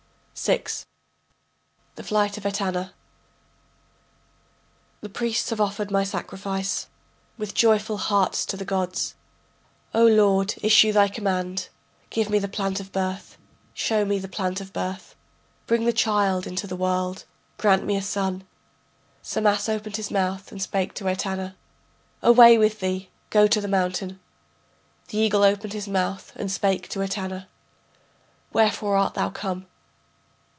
] VI. THE FLIGHT OF ETANA /* The priests have offered my sacrifice With joyful hearts to the gods. O Lord, issue thy command, Give me the plant of birth, show me the plant of birth, Bring the child into the world, grant me a son. Samas opened his mouth and spake to Etana: Away with thee, go to the mountain.... The eagle opened his mouth and spake to Etana: Wherefore art thou come?